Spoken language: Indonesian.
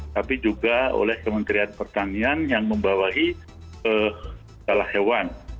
tapi juga oleh kementerian pertanian yang membawahi salah hewan